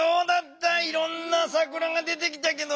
いろんな「さくら」が出てきたけど。